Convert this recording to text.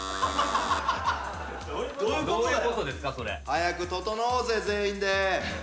早くととのおうぜ全員で。